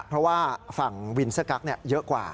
เพราะว่าฝั่งวินเซอร์กั๊กเยอะกว่า